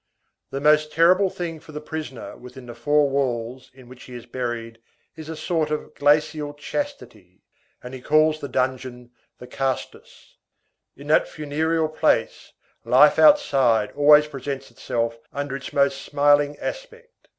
The most terrible thing for the prisoner within the four walls in which he is buried, is a sort of glacial chastity, and he calls the dungeon the castus. In that funereal place, life outside always presents itself under its most smiling aspect.